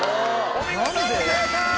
お見事正解！